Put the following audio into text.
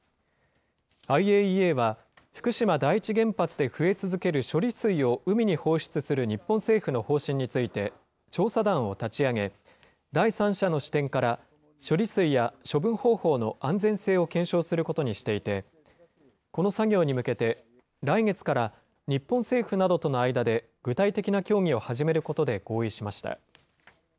ＩＡＥＡは、福島第一原発で増え続ける処理水を海に放出する日本政府の方針について、調査団を立ち上げ、第三者の視点から処理水や処分方法の安全性を検証することにしていて、この作業に向けて来月から、日本政府などとの間で具体的な協議を始めることで合意しました。